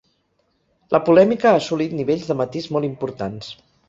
La polèmica ha assolit nivells de matís molt importants.